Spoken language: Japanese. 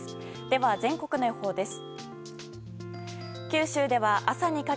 では、全国の予報です。